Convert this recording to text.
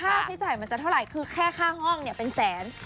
ค่าใช้จ่ายมันจะเท่าไหร่คือแค่ค่าห้องเนี่ยเป็นแสน